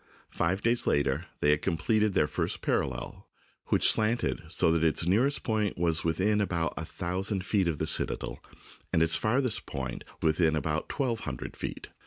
Five days later they had completed their first parallel, which slanted so that its nearest point was within about a thousand feet of the citadel and its farthest point w r ithin about twelve hundred feet.